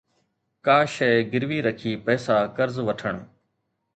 ڪا شيءِ گروي رکي پئسا قرض وٺڻ